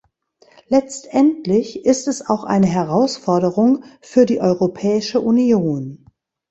Letztendlich ist es auch eine Herausforderung für die Europäische Union.